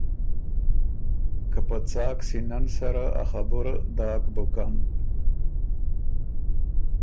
که په څاک سینۀ ن سره ا خبُره داک بُکن۔